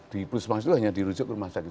di puskesmas itu hanya dirujuk ke rumah sakit